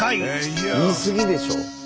言い過ぎでしょ。